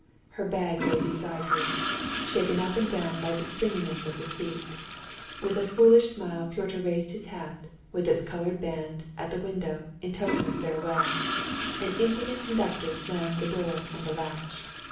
Her bag lay beside her, shaken up and down by the springiness of the seat. With a foolish smile Pyotr raised his hat, with its colored band, at the window, in token of farewell; an impudent conductor slammed the door and the latch.